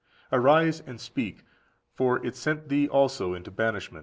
Arise, and speak; for it sent thee also into banishment.